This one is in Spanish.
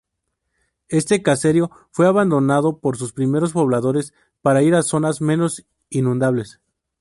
Este caserío fue abandonado por sus primeros pobladores para ir a zonas menos inundables.